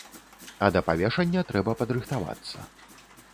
А да павешання трэба падрыхтавацца.